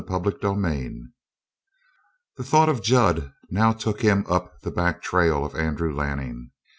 CHAPTER 24 The thought of Jud now took him up the back trail of Andrew Lanning.